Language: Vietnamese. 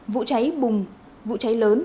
vụ cháy bùng vụ cháy lớn